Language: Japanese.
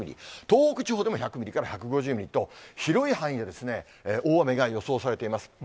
東北地方でも１００ミリから１５０ミリと、広い範囲で大雨が予想されています。